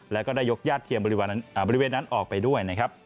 และก็ได้ยกยาเทียมบริเวณนั้นออกไปด้วย